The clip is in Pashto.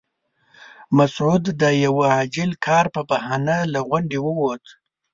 مسعود د یوه عاجل کار په بهانه له غونډې ووت.